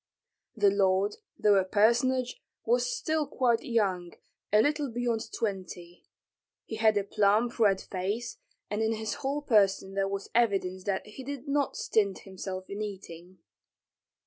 The lord, though a personage, was still quite young, a little beyond twenty. He had a plump, red face, and in his whole person there was evidence that he did not stint himself in eating.